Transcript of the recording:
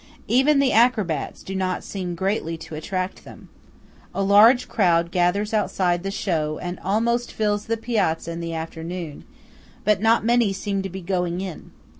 Even the acrobats do not seem greatly to attract them. A large crowd gathers outside the show and almost fills the piazza in the afternoon; but not many seem to be going in.